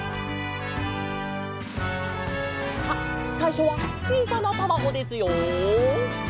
さあさいしょはちいさなたまごですよ。